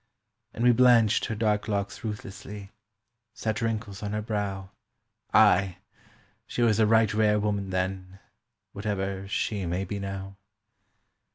And we blanched her dark locks ruthlessly: set wrinkles on her brow; Ay—she was a right rare woman then, whatever she may be now.